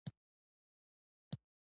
دا محبت ده.